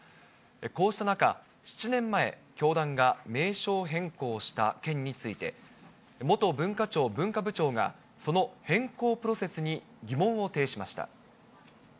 こうした中、７年前、教団が名称変更した件について、元文化庁文化部長がその変更プロセスに疑問を呈しました。